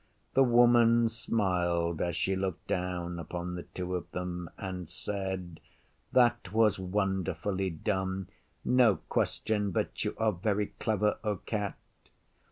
The Woman smiled as she looked down upon the two of them and said, 'That was wonderfully done. No question but you are very clever, O Cat.